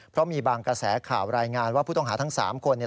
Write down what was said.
เพราะมีบางกระแสข่าวรายงานว่าผู้ต้องหาทั้ง๓คน